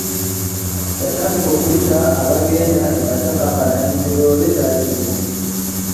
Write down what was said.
Yatandika okuyita abagenda e Masaka nga nanyini loole taliwo.